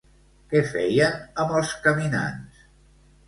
Què feien amb els caminants?